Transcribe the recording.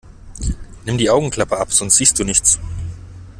Nimm die Augenklappe ab, sonst siehst du nichts!